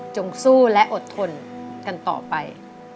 สู้และอดทนกันต่อไป